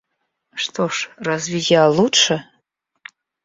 Что ж, разве я лучше?